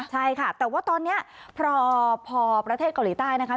ใช่ค่ะแต่ว่าตอนนี้พอประเทศเกาหลีใต้นะคะ